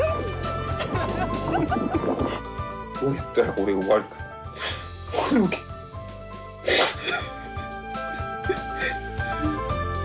どうやったらこれ終わるかな。